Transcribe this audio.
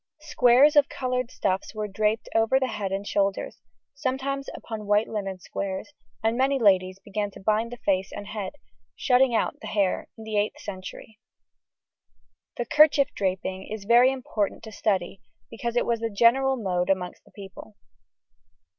Squares of coloured stuffs were draped over the head and shoulders, sometimes upon white linen squares, and many ladies began to bind the face and head, shutting out the hair, in the 8th century. The kerchief draping is very important to study, because it was the general mode amongst the people.